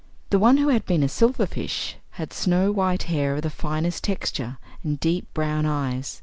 The one who had been a silverfish had snow white hair of the finest texture and deep brown eyes.